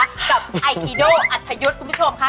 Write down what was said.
กับไอคีโดอัธยุทธ์คุณผู้ชมค่ะ